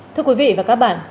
thưa quý vị và các bạn